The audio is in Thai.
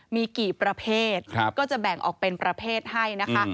มีกี่ประเภทก็จะแบ่งออกเป็นประเภทให้นะคะ